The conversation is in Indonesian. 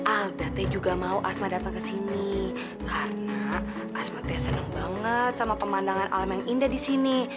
alda saya juga mau asma datang ke sini karena asmatnya senang banget sama pemandangan alam yang indah di sini